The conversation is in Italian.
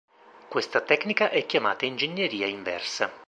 Questa tecnica è chiamata ingegneria inversa.